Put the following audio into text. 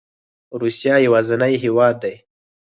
روسیه یوازینی هیواد دی